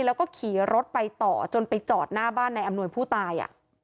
แล้วก็ขี่รถไปต่อจนไปจอดหน้าบ้านนายอำนวยผู้ตาย